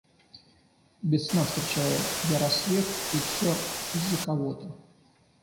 Без сна встречаю я рассвет И все из-за кого-то.